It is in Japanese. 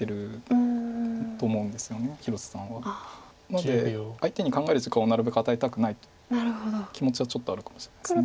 なので相手に考える時間をなるべく与えたくないと気持ちはちょっとあるかもしれないです。